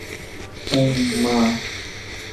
হুম, মা।